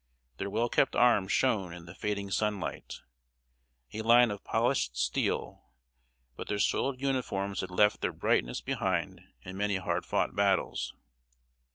Their well kept arms shone in the fading sunlight, a line of polished steel; but their soiled uniforms had left their brightness behind in many hard fought battles.